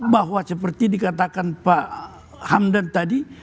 bahwa seperti dikatakan pak hamdan tadi